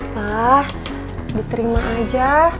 pa diterima aja